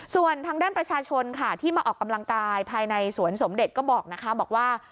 ส่วนทางด้านประชาชนค่ะที่มาออกกำลังกายภายในสวนสมเด็จก็บอกนะคะบอกว่า